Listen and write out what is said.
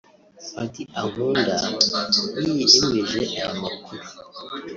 Paddy Ankunda yemeje aya makuru